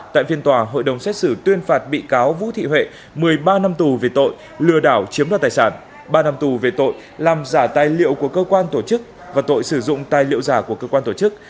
tại phiên tòa hội đồng xét xử tuyên phạt bị cáo vũ thị huệ một mươi ba năm tù về tội lừa đảo chiếm đoạt tài sản ba năm tù về tội làm giả tài liệu của cơ quan tổ chức và tội sử dụng tài liệu giả của cơ quan tổ chức